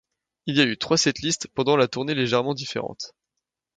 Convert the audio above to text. Il y a eu trois setlists pendant la tournée légèrement différentes.